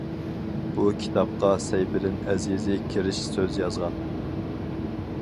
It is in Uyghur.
بۇ كىتابقا سەيپىدىن ئەزىزى كىرىش سۆز يازغان.